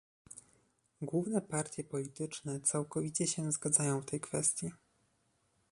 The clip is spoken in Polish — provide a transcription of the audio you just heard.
Główne partie polityczne całkowicie się zgadzają w tej kwestii